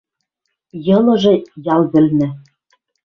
Йылыжы ял вӹлнӹ